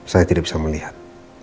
saya tidak bisa melihat